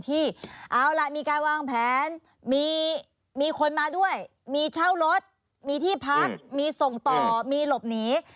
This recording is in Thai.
ที่เอาล่ะมีการวางแผนมีคนมาด้วยมีเช่ารถมีที่พักมีส่งต่อมีหลบหนี